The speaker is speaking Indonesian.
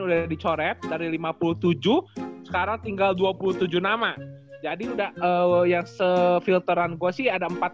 udah dicoret dari lima puluh tujuh sekarang tinggal dua puluh tujuh nama jadi udah oh ya se filteran gua sih ada empat